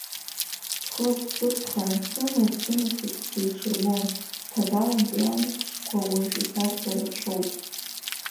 Схы азхәыцха ансымыз сынасыԥ сеиҽырбон, ҭагалантәи амшқәа уажә исарҳәо рацәоуп.